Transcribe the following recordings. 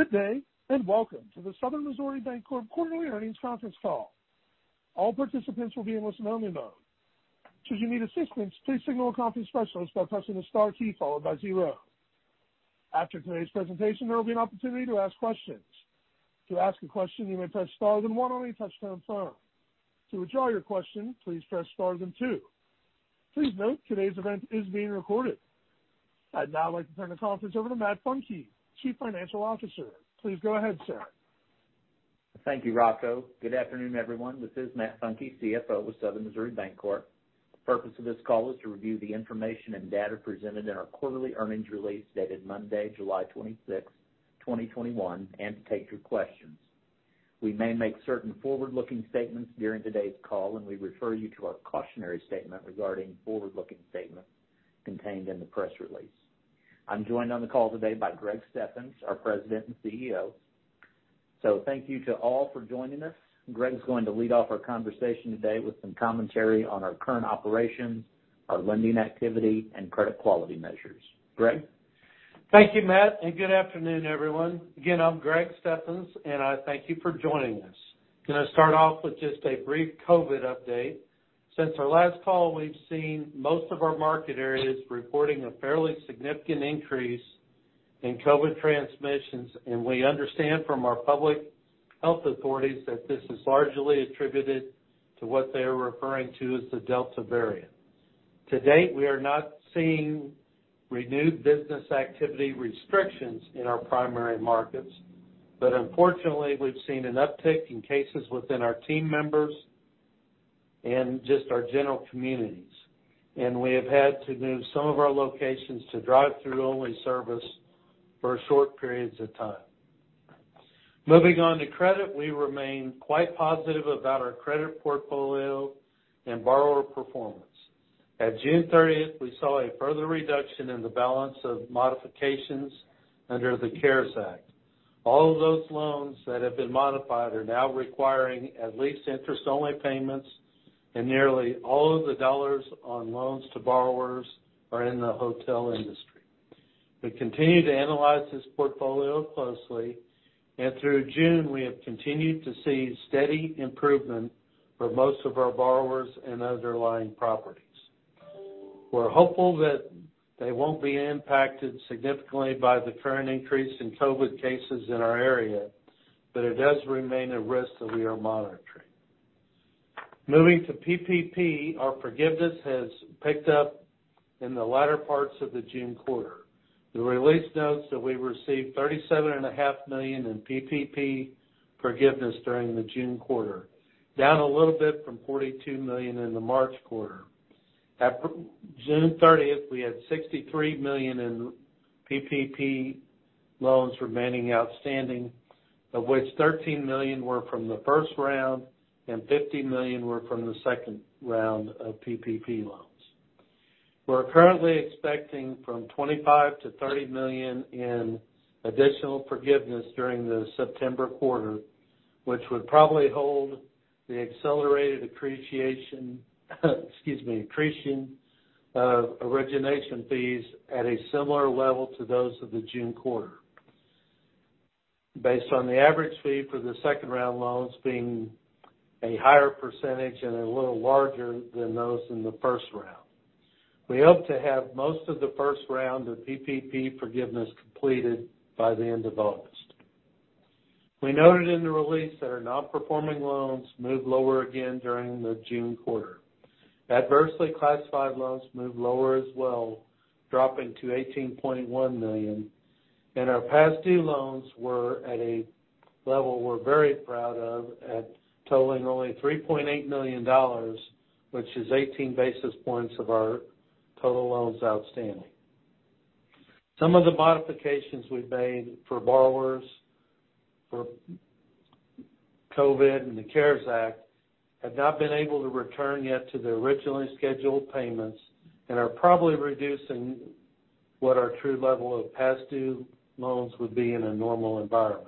Good day, and welcome to the Southern Missouri Bancorp quarterly earnings conference call. All participants will be in listen-only mode. Should you need assistance, please signal a conference specialist by pressing the star key followed by zero. After today's presentation, there will be an opportunity to ask questions. To ask a question, you may press star then one on your touch-tone phone. To withdraw your question, please press star then two. Please note, today's event is being recorded. I'd now like to turn the conference over to Matt Funke, Chief Financial Officer. Please go ahead, sir. Thank you, Rocco. Good afternoon, everyone. This is Matt Funke, CFO of Southern Missouri Bancorp. The purpose of this call is to review the information and data presented in our quarterly earnings release dated Monday, July 26th, 2021, and to take your questions. We may make certain forward-looking statements during today's call, and we refer you to our cautionary statement regarding forward-looking statements contained in the press release. I'm joined on the call today by Greg Steffens, our President and CEO. Thank you to all for joining us. Greg is going to lead off our conversation today with some commentary on our current operations, our lending activity, and credit quality measures. Greg? Thank you, Matt, and good afternoon, everyone. Again, I'm Greg Steffens, and I thank you for joining us. Going to start off with just a brief COVID update. Since our last call, we've seen most of our market areas reporting a fairly significant increase in COVID transmissions, and we understand from our public health authorities that this is largely attributed to what they are referring to as the Delta variant. To date, we are not seeing renewed business activity restrictions in our primary markets. Unfortunately, we've seen an uptick in cases within our team members and just our general communities. We have had to move some of our locations to drive-through-only service for short periods of time. Moving on to credit, we remain quite positive about our credit portfolio and borrower performance. At June 30th, we saw a further reduction in the balance of modifications under the CARES Act. All of those loans that have been modified are now requiring at least interest-only payments, and nearly all of the dollars on loans to borrowers are in the hotel industry. We continue to analyze this portfolio closely, and through June, we have continued to see steady improvement for most of our borrowers and underlying properties. We're hopeful that they won't be impacted significantly by the current increase in COVID cases in our area, but it does remain a risk that we are monitoring. Moving to PPP, our forgiveness has picked up in the latter parts of the June quarter. The release notes that we received $37.5 million in PPP forgiveness during the June quarter, down a little bit from $42 million in the March quarter. At June 30th, we had $63 million in PPP loans remaining outstanding, of which $13 million were from the first round and $15 million were from the second round of PPP loans. We're currently expecting from $25 million-$30 million in additional forgiveness during the September quarter, which would probably hold the accelerated accretion of origination fees at a similar level to those of the June quarter based on the average fee for the second-round loans being a higher percentage and a little larger than those in the first round. We hope to have most of the first round of PPP forgiveness completed by the end of August. We noted in the release that our non-performing loans moved lower again during the June quarter. Adversely classified loans moved lower as well, dropping to $18.1 million. Our past due loans were at a level we're very proud of at totaling only $3.8 million, which is 18 basis points of our total loans outstanding. Some of the modifications we've made for borrowers for COVID and the CARES Act have not been able to return yet to their originally scheduled payments and are probably reducing what our true level of past due loans would be in a normal environment.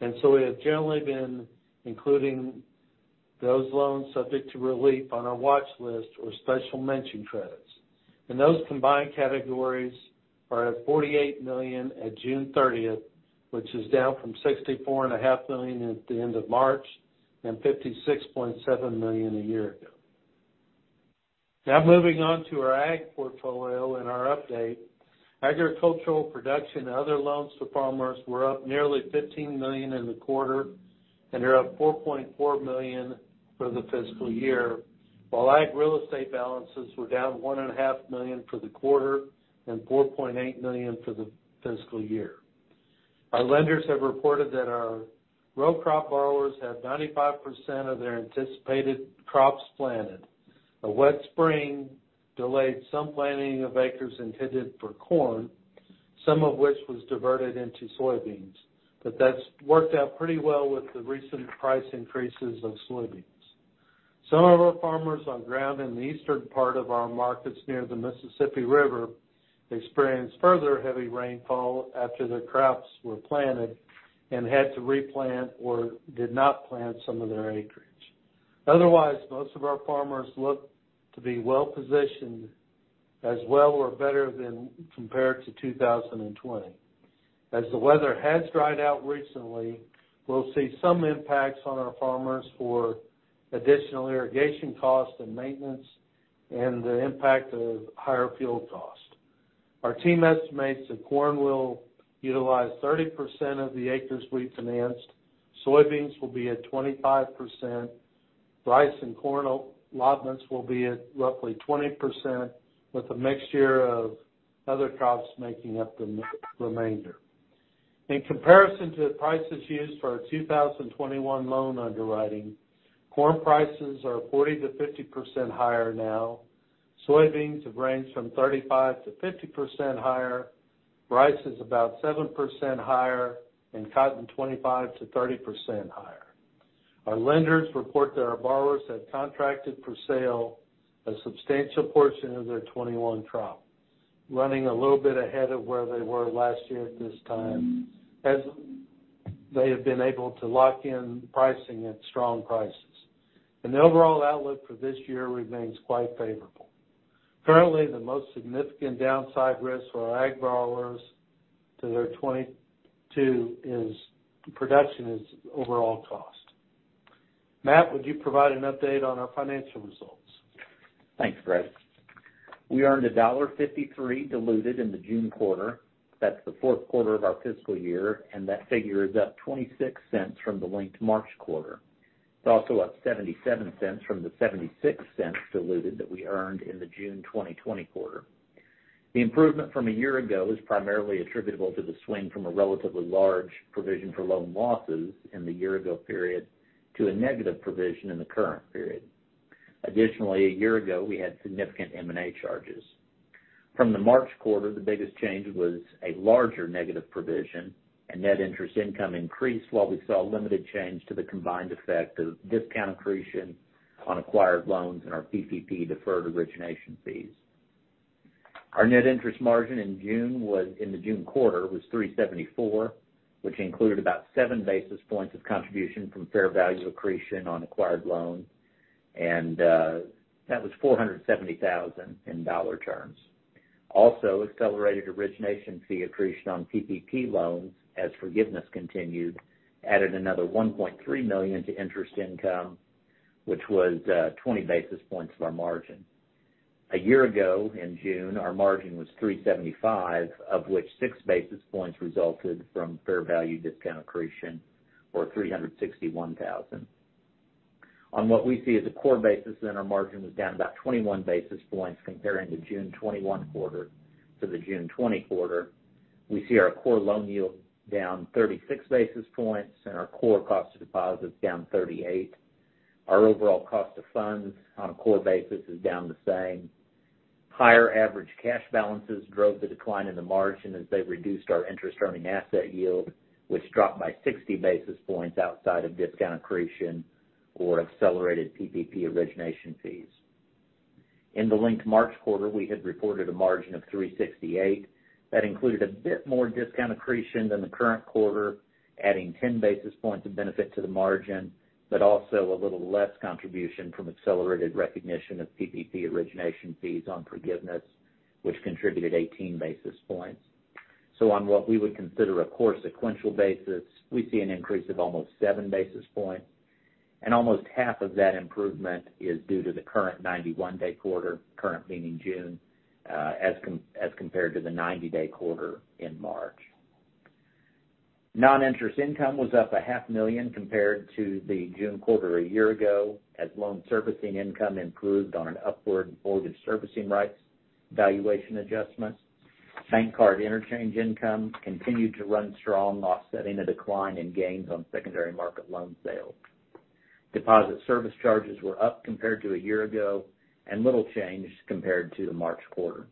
We have generally been including those loans subject to relief on our watch list or special mention credits. Those combined categories are at $48 million at June 30th, which is down from $64.5 million at the end of March and $56.7 million a year ago. Now moving on to our ag portfolio and our update. Agricultural production and other loans to farmers were up nearly $15 million in the quarter. They're up $4.4 million for the fiscal year, while ag real estate balances were down $1.5 million for the quarter and $4.8 million for the fiscal year. Our lenders have reported that our row crop borrowers have 95% of their anticipated crops planted. A wet spring delayed some planting of acres intended for corn, some of which was diverted into soybeans. That's worked out pretty well with the recent price increases of soybeans. Some of our farmers on ground in the eastern part of our markets near the Mississippi River experienced further heavy rainfall after their crops were planted and had to replant or did not plant some of their acreage. Otherwise, most of our farmers look to be well-positioned as well or better than compared to 2020. As the weather has dried out recently, we'll see some impacts on our farmers for additional irrigation costs and maintenance and the impact of higher fuel costs. Our team estimates that corn will utilize 30% of the acres we financed, soybeans will be at 25%, rice and corn allotments will be at roughly 20%, with a mixture of other crops making up the remainder. In comparison to prices used for our 2021 loan underwriting, corn prices are 40%-50% higher now, soybeans have ranged from 35%-50% higher, rice is about 7% higher, and cotton 25%-30% higher. Our lenders report that our borrowers have contracted for sale a substantial portion of their 2021 crop, running a little bit ahead of where they were last year at this time, as they have been able to lock in pricing at strong prices. The overall outlook for this year remains quite favorable. Currently, the most significant downside risk for our ag borrowers to their 2022 production is overall cost. Matt, would you provide an update on our financial results? Thanks, Greg. We earned $1.53 diluted in the June quarter. That's the fourth quarter of our fiscal year, and that figure is up $0.26 from the linked March quarter. It's also up $0.77 from the $0.76 diluted that we earned in the June 2020 quarter. The improvement from a year ago is primarily attributable to the swing from a relatively large provision for loan losses in the year ago period to a negative provision in the current period. Additionally, a year ago, we had significant M&A charges. From the March quarter, the biggest change was a larger negative provision, and net interest income increased while we saw limited change to the combined effect of discount accretion on acquired loans and our PPP deferred origination fees. Our net interest margin in the June quarter was 374, which included about 7 basis points of contribution from fair value accretion on acquired loans, and that was $470,000 in dollar terms. Also, accelerated origination fee accretion on PPP loans as forgiveness continued added another $1.3 million to interest income, which was 20 basis points of our margin. A year ago in June, our margin was 375, of which 6 basis points resulted from fair value discount accretion, or $361,000. On what we see as a core basis, then our margin was down about 21 basis points comparing the June '21 quarter to the June '20 quarter. We see our core loan yield down 36 basis points and our core cost of deposits down 38. Our overall cost of funds on a core basis is down the same. Higher average cash balances drove the decline in the margin as they reduced our interest-earning asset yield, which dropped by 60 basis points outside of discount accretion or accelerated PPP origination fees. In the linked March quarter, we had reported a margin of 368. That included a bit more discount accretion than the current quarter, adding 10 basis points of benefit to the margin, but also a little less contribution from accelerated recognition of PPP origination fees on forgiveness, which contributed 18 basis points. On what we would consider a core sequential basis, we see an increase of almost 7 basis points, and almost half of that improvement is due to the current 91-day quarter, current meaning June, as compared to the 90-day quarter in March. Non-interest income was up a half million compared to the June quarter a year ago as loan servicing income improved on an upward mortgage servicing rights valuation adjustment. Bank card interchange income continued to run strong, offsetting a decline in gains on secondary market loan sales. Deposit service charges were up compared to a year ago and little changed compared to the March quarter.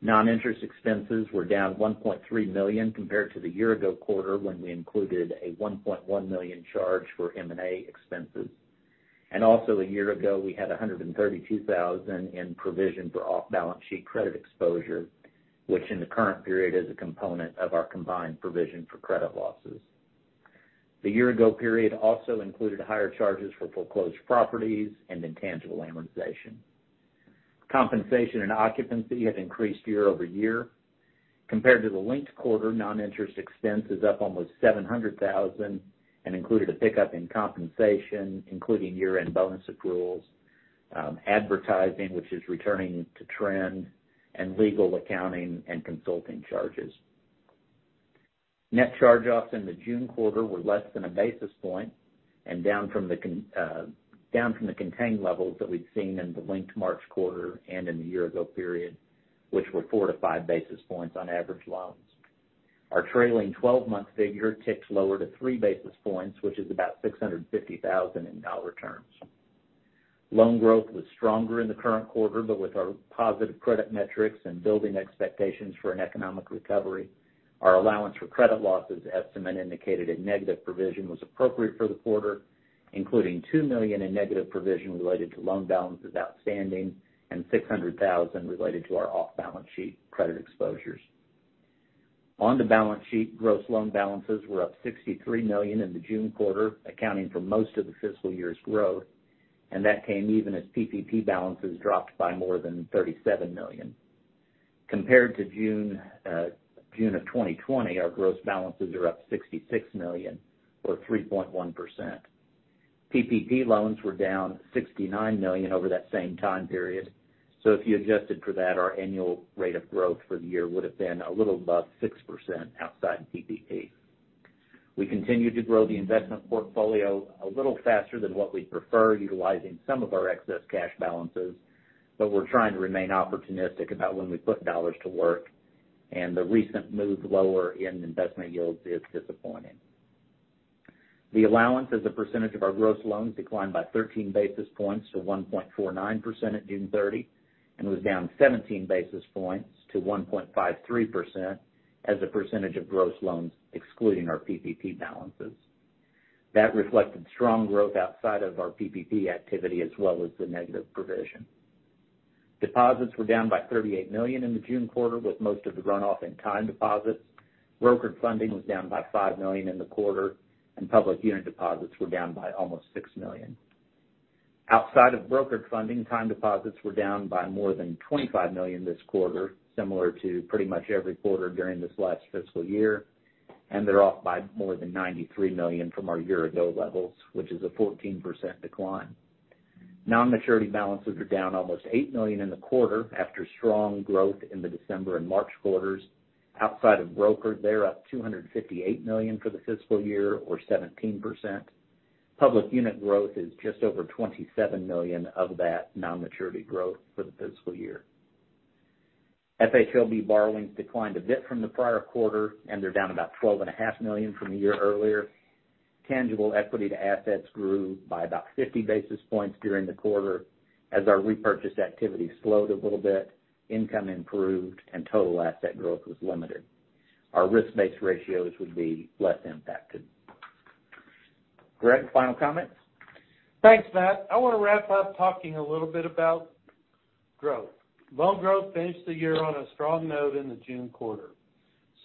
Non-interest expenses were down $1.3 million compared to the year ago quarter when we included a $1.1 million charge for M&A expenses. Also a year ago, we had $132,000 in provision for off-balance sheet credit exposure, which in the current period is a component of our combined provision for credit losses. The year ago period also included higher charges for foreclosed properties and intangible amortization. Compensation and occupancy have increased year over year. Compared to the linked quarter, non-interest expense is up almost $700,000 and included a pickup in compensation, including year-end bonus accruals, advertising, which is returning to trend, and legal, accounting, and consulting charges. Net charge-offs in the June quarter were less than a basis point and down from the contained levels that we'd seen in the linked March quarter and in the year ago period, which were four to five basis points on average loans. Our trailing 12-month figure ticks lower to three basis points, which is about $650,000 in dollar terms. Loan growth was stronger in the current quarter, but with our positive credit metrics and building expectations for an economic recovery, our allowance for credit losses estimate indicated a negative provision was appropriate for the quarter, including $2 million in negative provision related to loan balances outstanding and $600,000 related to our off-balance sheet credit exposures. On the balance sheet, gross loan balances were up $63 million in the June quarter, accounting for most of the fiscal year's growth, and that came even as PPP balances dropped by more than $37 million. Compared to June of 2020, our gross balances are up $66 million or 3.1%. PPP loans were down $69 million over that same time period. If you adjusted for that, our annual rate of growth for the year would've been a little above 6% outside PPP. We continued to grow the investment portfolio a little faster than what we'd prefer, utilizing some of our excess cash balances, but we're trying to remain opportunistic about when we put dollars to work, and the recent move lower in investment yields is disappointing. The allowance as a percentage of our gross loans declined by 13 basis points to 1.49% at June 30, and was down 17 basis points to 1.53% as a percentage of gross loans excluding our PPP balances. That reflected strong growth outside of our PPP activity as well as the negative provision. Deposits were down by $38 million in the June quarter, with most of the runoff in time deposits. Brokered funding was down by $5 million in the quarter, and public unit deposits were down by almost $6 million. Outside of brokered funding, time deposits were down by more than $25 million this quarter, similar to pretty much every quarter during this last fiscal year, and they're off by more than $93 million from our year-ago levels, which is a 14% decline. Non-maturity balances are down almost $8 million in the quarter after strong growth in the December and March quarters. Outside of brokers, they're up $258 million for the fiscal year or 17%. Public unit growth is just over $27 million of that non-maturity growth for the fiscal year. FHLB borrowings declined a bit from the prior quarter, and they're down about $12.5 million from a year earlier. Tangible equity to assets grew by about 50 basis points during the quarter as our repurchase activity slowed a little bit, income improved, and total asset growth was limited. Our risk-based ratios would be less impacted. Greg, final comments? Thanks, Matt. I want to wrap up talking a little bit about growth. Loan growth finished the year on a strong note in the June quarter.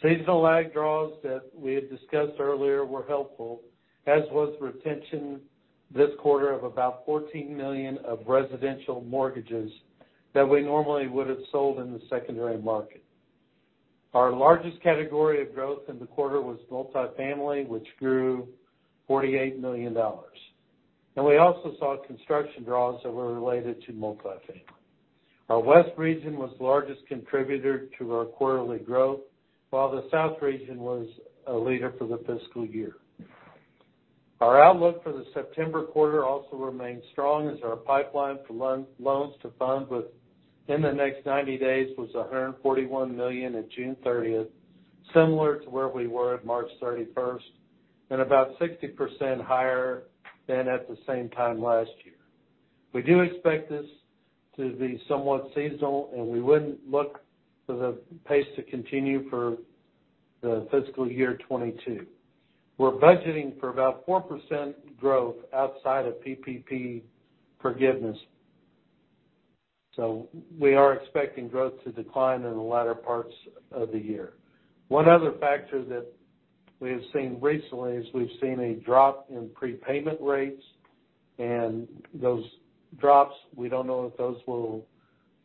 Seasonal ag draws that we had discussed earlier were helpful, as was retention this quarter of about $14 million of residential mortgages that we normally would have sold in the secondary market. Our largest category of growth in the quarter was multifamily, which grew $48 million. We also saw construction draws that were related to multifamily. Our west region was the largest contributor to our quarterly growth, while the south region was a leader for the fiscal year. Our outlook for the September quarter also remains strong as our pipeline for loans to fund within the next 90 days was $141 million at June 30th, similar to where we were at March 31st, and about 60% higher than at the same time last year. We do expect this to be somewhat seasonal, and we wouldn't look for the pace to continue for the fiscal year 2022. We're budgeting for about 4% growth outside of PPP forgiveness. We are expecting growth to decline in the latter parts of the year. One other factor that we have seen recently is we've seen a drop in prepayment rates. Those drops, we don't know if those will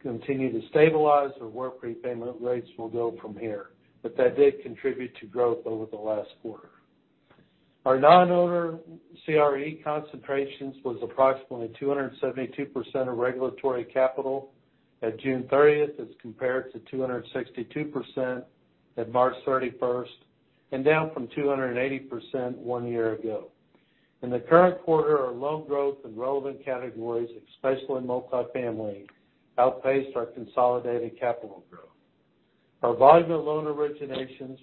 continue to stabilize or where prepayment rates will go from here. That did contribute to growth over the last quarter. Our non-owner CRE concentrations was approximately 272% of regulatory capital at June 30th as compared to 262% at March 31st, and down from 280% one year ago. In the current quarter, our loan growth in relevant categories, especially in multifamily, outpaced our consolidated capital growth. Our volume of loan originations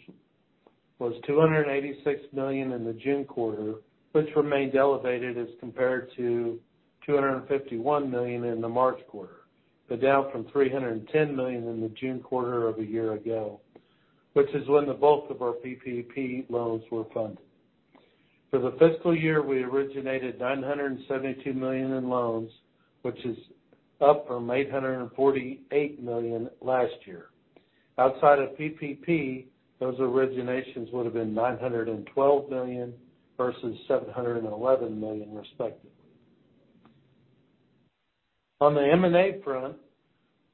was $286 million in the June quarter, which remained elevated as compared to $251 million in the March quarter, but down from $310 million in the June quarter of a year ago, which is when the bulk of our PPP loans were funded. For the fiscal year, we originated $972 million in loans, which is up from $848 million last year. Outside of PPP, those originations would have been $912 million versus $711 million respectively. On the M&A front,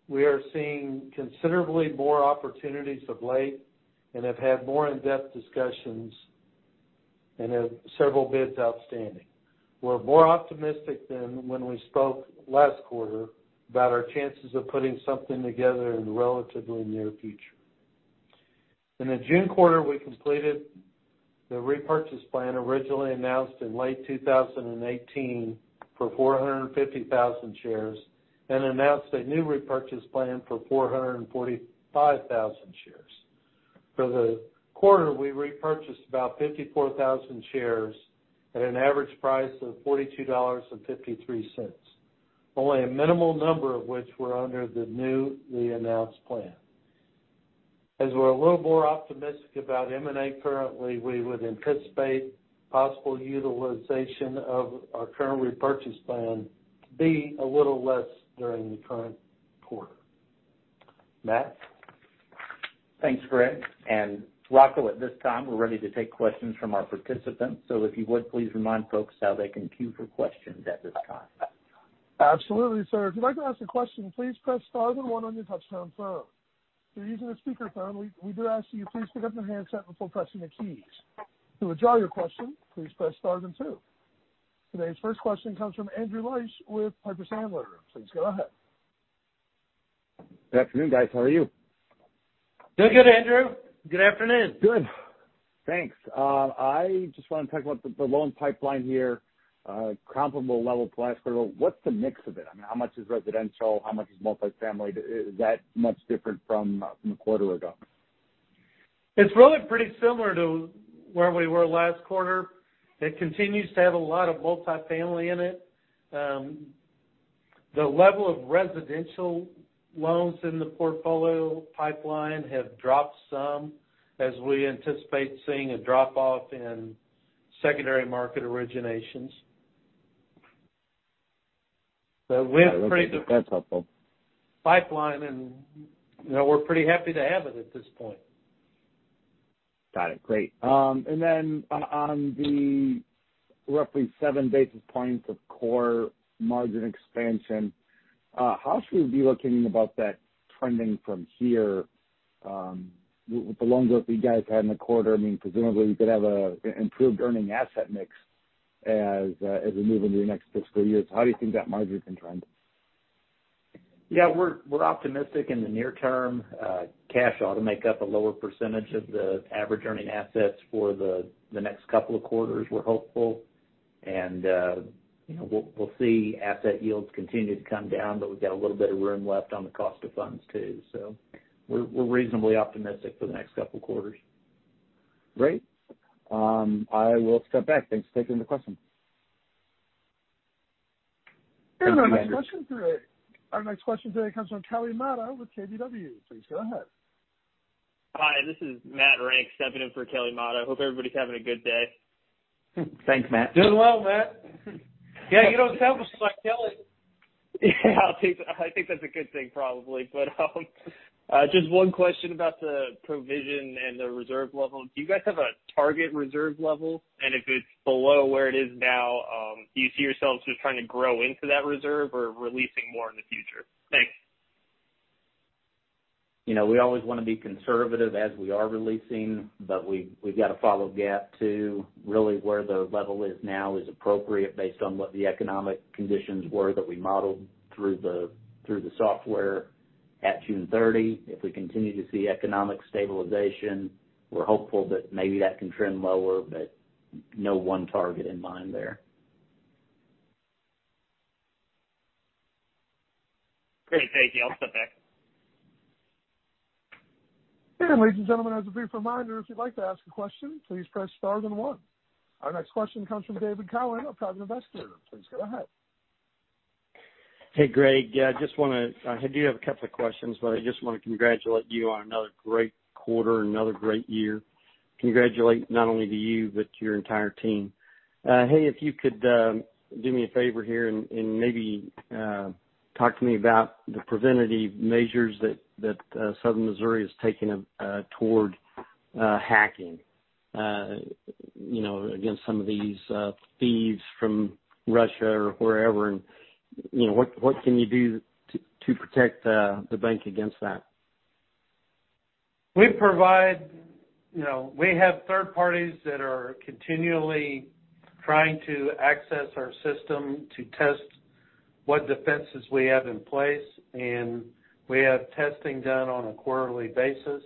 we are seeing considerably more opportunities of late and have had more in-depth discussions and have several bids outstanding. We're more optimistic than when we spoke last quarter about our chances of putting something together in the relatively near future. In the June quarter, we completed the repurchase plan originally announced in late 2018 for 450,000 shares and announced a new repurchase plan for 445,000 shares. For the quarter, we repurchased about 54,000 shares at an average price of $42.53, only a minimal number of which were under the newly announced plan. As we're a little more optimistic about M&A currently, we would anticipate possible utilization of our current repurchase plan be a little less during the current quarter. Matt? Thanks, Greg. Rocco, at this time, we're ready to take questions from our participants. If you would, please remind folks how they can queue for questions at this time. Absolutely, sir. Today's first question comes from Andrew Liesch with Piper Sandler. Please go ahead. Good afternoon, guys. How are you? Doing good, Andrew. Good afternoon. Good. Thanks. I just want to talk about the loan pipeline here, comparable level to last quarter. What's the mix of it? How much is residential? How much is multifamily? Is that much different from a quarter ago? It's really pretty similar to where we were last quarter. It continues to have a lot of multifamily in it. The level of residential loans in the portfolio pipeline have dropped some as we anticipate seeing a drop-off in secondary market originations. Okay. That's helpful. Pipeline and we're pretty happy to have it at this point. Got it. Great. Then on the roughly 7 basis points of core margin expansion, how should we be looking about that trending from here? With the loans that you guys had in the quarter, presumably, you could have an improved earning asset mix as we move into the next fiscal year. How do you think that margin can trend? Yeah. We're optimistic in the near term. Cash ought to make up a lower percentage of the average earning assets for the next 2 quarters, we're hopeful. We'll see asset yields continue to come down, but we've got a little bit of room left on the cost of funds, too. We're reasonably optimistic for the next 2 quarters. Great. I will step back. Thanks for taking the question. Our next question today comes from Kelly Motta with KBW. Please go ahead. Hi, this is Matt Olney stepping in for Kelly Motta. Hope everybody's having a good day. Thanks, Matt. Doing well, Matt. Yeah, you don't sound just like Kelly. Yeah. I think that's a good thing, probably. Just 1 question about the provision and the reserve level. Do you guys have a target reserve level? If it's below where it is now, do you see yourselves just trying to grow into that reserve or releasing more in the future? Thanks. We always want to be conservative as we are releasing, but we've got to follow GAAP too. Really where the level is now is appropriate based on what the economic conditions were that we modeled through the software at June 30. If we continue to see economic stabilization, we're hopeful that maybe that can trend lower, but no one target in mind there. Great. Thank you. I'll step back. Ladies and gentlemen, as a brief reminder, if you'd like to ask a question, please press star then one. Our next question comes from David Cohen of Private Investor. Please go ahead. Hey, Greg. I do have a couple of questions, but I just want to congratulate you on another great quarter, another great year. Congratulate not only to you, but to your entire team. Hey, if you could do me a favor here and maybe talk to me about the preventative measures that Southern Missouri is taking toward hacking against some of these thieves from Russia or wherever, and what can you do to protect the bank against that? We have third parties that are continually trying to access our system to test what defenses we have in place, and we have testing done on a quarterly basis.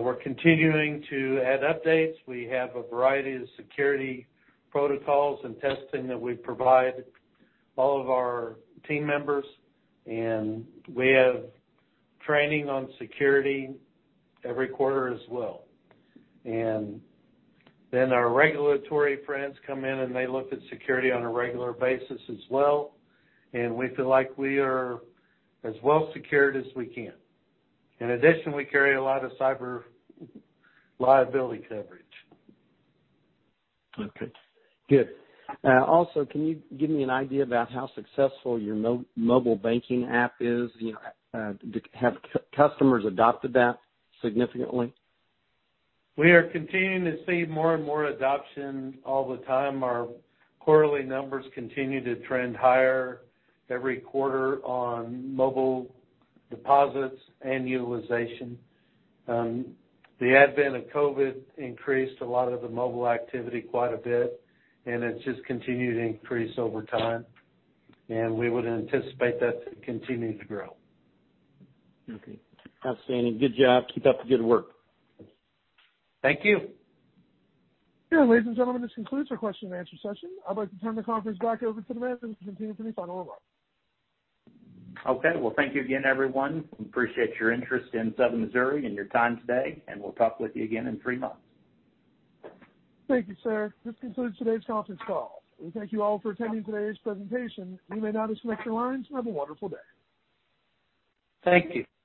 We're continuing to add updates. We have a variety of security protocols and testing that we provide all of our team members, and we have training on security every quarter as well. Our regulatory friends come in, and they look at security on a regular basis as well, and we feel like we are as well secured as we can. In addition, we carry a lot of cyber liability coverage. Okay, good. Can you give me an idea about how successful your mobile banking app is? Have customers adopted that significantly? We are continuing to see more and more adoption all the time. Our quarterly numbers continue to trend higher every quarter on mobile deposits and utilization. The advent of COVID increased a lot of the mobile activity quite a bit, and it's just continued to increase over time, and we would anticipate that to continue to grow. Okay. Outstanding. Good job. Keep up the good work. Thank you. Ladies and gentlemen, this concludes our question and answer session. I'd like to turn the conference back over to the management to continue with any final remarks. Okay. Well, thank you again, everyone. We appreciate your interest in Southern Missouri and your time today, and we'll talk with you again in three months. Thank you, sir. This concludes today's conference call. We thank you all for attending today's presentation. You may now disconnect your lines. Have a wonderful day. Thank you.